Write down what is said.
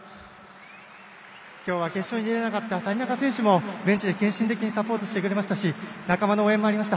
今日は決勝に出られなかった谷中選手もベンチで献身的にサポートしてくれましたし仲間の応援もありました。